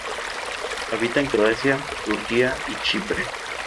Habita en Croacia, Turquía y Chipre.